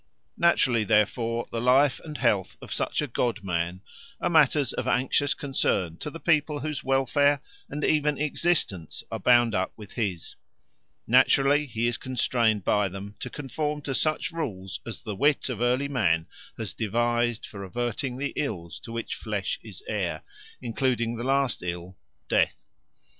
Naturally, therefore, the life and health of such a god man are matters of anxious concern to the people whose welfare and even existence are bound up with his; naturally he is constrained by them to conform to such rules as the wit of early man has devised for averting the ills to which flesh is heir, including the last ill, death.